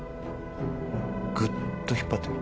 グッと引っ張ってみ。